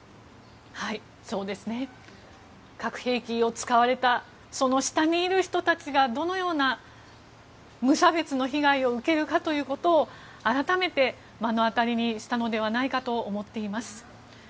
核兵器を使われたその下にいる人たちがどのような、無差別の被害を受けるかということを改めて目の当たりにしたのではないかと思っています。